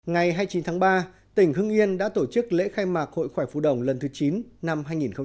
ngày hai mươi chín tháng ba tỉnh hưng yên đã tổ chức lễ khai mạc hội khoẻ phù đồng lần thứ chín năm hai nghìn một mươi sáu